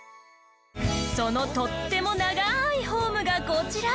そのとっても長いホームがこちら。